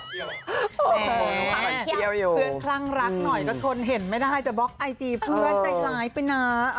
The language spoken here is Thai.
เพื่อนคลั่งรักหน่อยก็ทนเห็นไม่ได้จะบล็อกไอจีเพื่อนใจร้ายไปนะ